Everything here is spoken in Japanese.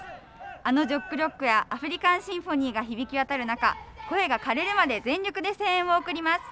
あの「ジョックロック」や「アフリカン・シンフォニー」が響き渡る中、声が枯れるまで全力で声援を送ります。